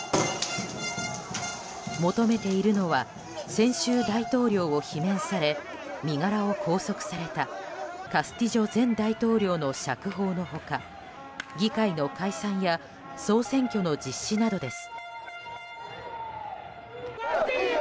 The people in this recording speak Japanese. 求めているのは先週大統領を罷免され身柄を拘束されたカスティジョ前大統領の釈放の他、議会の解散や総選挙の実施などです。